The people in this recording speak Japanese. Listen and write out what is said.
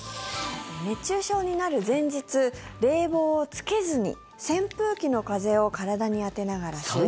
熱中症になる前日冷房をつけずに扇風機の風を体に当てながら就寝した。